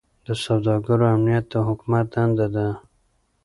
د سوداګرو امنیت د حکومت دنده ده.